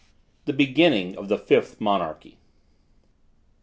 THE BEGINNING OF THE FIFTH MONARCHY.